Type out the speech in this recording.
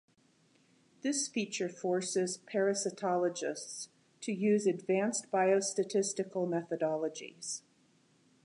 This feature forces parasitologists to use advanced biostatistical methodologies.